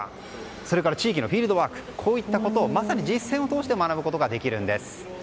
それから地域のフィールドワークこういったことをまさに実践を通して学ぶことができるんです。